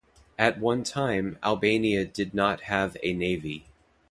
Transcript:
At that time, Albania did not have a navy.